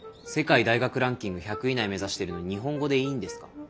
世界大学ランキング１００位以内目指してるのに日本語でいいんですか？